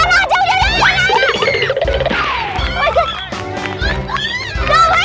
udah cepat bawa aja di raya